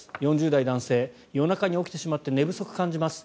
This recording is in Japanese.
４０代男性夜中に起きてしまって寝不足を感じます。